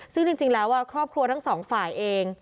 ซึ่งจริงแล้วครอบครัวทั้งสองฝ่ายเอง